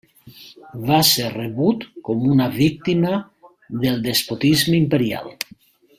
Va ser rebut com una víctima del despotisme imperial.